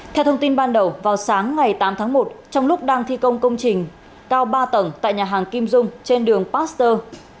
theo thông tin ban đầu vào sáng ngày tám tháng một trong lúc đang thi công công trình cao ba tầng tại nhà hàng kim dung trên đường pasteur